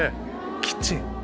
キッチン！